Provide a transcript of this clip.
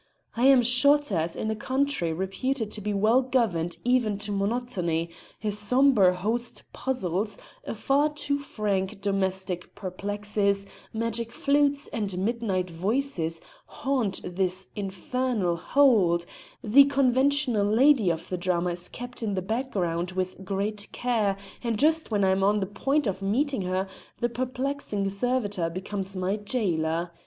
I am shot at in a country reputed to be well governed even to monotony; a sombre host puzzles, a far too frank domestic perplexes; magic flutes and midnight voices haunt this infernal hold; the conventional lady of the drama is kept in the background with great care, and just when I am on the point of meeting her, the perplexing servitor becomes my jailer.